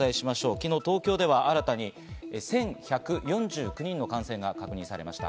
昨日東京では新たに１１４９人の感染が確認されました。